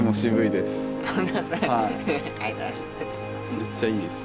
めっちゃいいです。